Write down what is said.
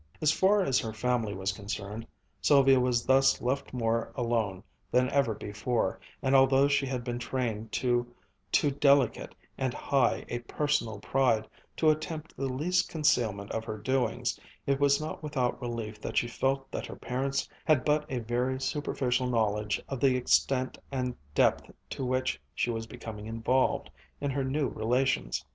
As far as her family was concerned, Sylvia was thus left more alone than ever before, and although she had been trained to too delicate and high a personal pride to attempt the least concealment of her doings, it was not without relief that she felt that her parents had but a very superficial knowledge of the extent and depth to which she was becoming involved in her new relations.